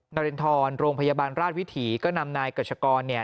นารินทรโรงพยาบาลราชวิถีก็นำนายกรัชกรเนี่ย